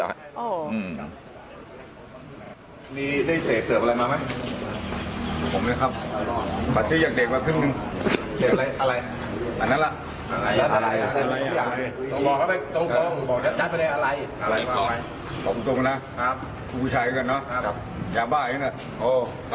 ขอบคุณครับ